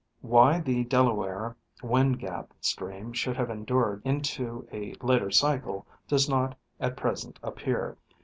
Why the Delaware wind gap stream should have endured into a later cycle does not at present appear.